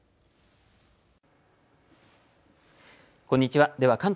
こんにちは。